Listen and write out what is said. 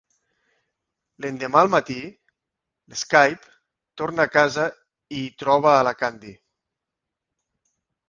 L'endemà al matí, l'Skip torna a casa i hi troba a la Candy.